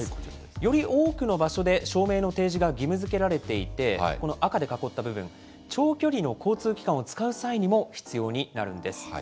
より多くの場所で証明の提示が義務づけられていて、この赤で囲った部分、長距離の交通機関を使う際にも、必要になるんです。